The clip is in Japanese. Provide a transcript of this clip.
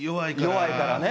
弱いからね。